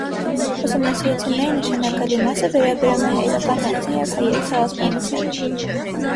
Ուսումնասիրությունների նշանակալի մասը վերաբերում է հայկական հարցին և հայերի ցեղասպանությանը։